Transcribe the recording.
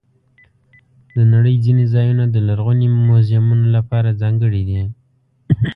د نړۍ ځینې ځایونه د لرغوني میوزیمونو لپاره ځانګړي دي.